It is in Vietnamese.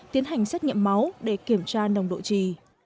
tiến hành xét nghiệm máu để kiểm tra nồng độ trì